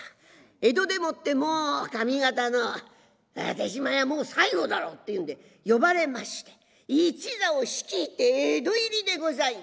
江戸でもって「もう上方の豊島屋もう最後だろう」っていうんで呼ばれまして一座を率いて江戸入りでございます。